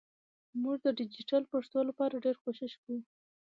مونږ د ډیجېټل پښتو لپاره ډېر کوښښ کوو